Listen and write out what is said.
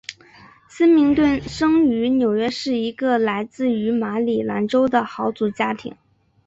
森明顿生于纽约市一个来自于马里兰州的豪族家庭。